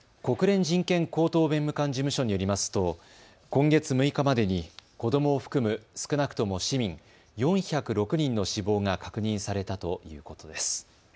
国連人権高等弁務官事務所によりますと今月６日までに子どもを含む少なくとも市民４０６人の死亡が確認されたということです。